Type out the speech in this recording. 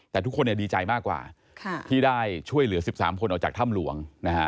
แต่ทุกคนดีใจมากกว่าที่ได้ช่วยเหลือ๑๓คนออกจากถ้ำหลวงนะฮะ